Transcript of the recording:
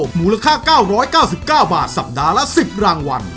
หมูราคาเก้าร้อยเก้าสิบเก้าบาทสัปดาห์ละสิบรางวัล